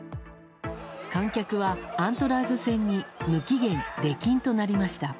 観客はアントラーズ戦に無期限出禁となりました。